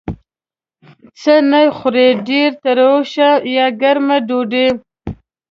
څه نه خورئ؟ ډیره تروشه یا ګرمه ډوډۍ